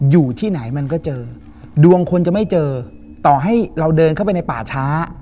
อยู่ที่ไหนมันก็เจอดวงคนจะไม่เจอต่อให้เราเดินเข้าไปในป่าช้า